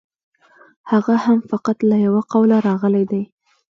هغه هم فقط له یوه قوله راغلی دی.